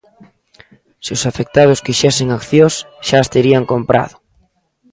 Se os afectados quixesen accións, xa as terían comprado.